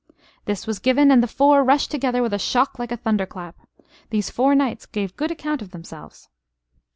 This was given, and the four rushed together with a shock like a thunder clap. These four knights gave good account of themselves.